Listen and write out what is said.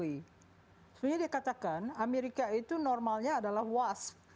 sebenarnya dia katakan amerika itu normalnya adalah was